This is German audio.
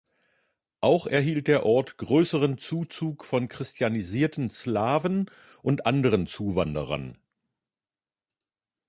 Auch erhielt der Ort größeren Zuzug von christianisierten Slawen und anderen Zuwanderern.